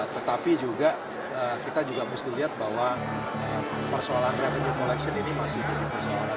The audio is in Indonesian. tetapi juga kita juga mesti lihat bahwa persoalan revenue collection ini masih jadi persoalan